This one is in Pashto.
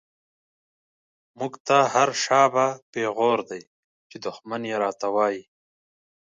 موږ ته هر” شا به” پيغور دی، چی دښمن يې را ته وايې